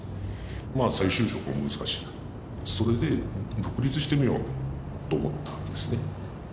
まあ再就職も難しいそれで独立してみようと思ったわけですね。